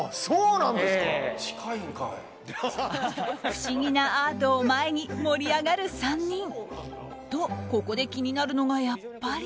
不思議なアートを前に盛り上がる３人。と、ここで気になるのがやっぱり。